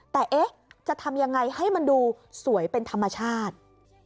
แต่เอ๊ะจะทำยังไงให้มันดูสวยเป็นธรรมชาติ